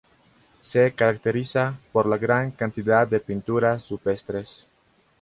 Se caracteriza por la gran cantidad de pinturas rupestres.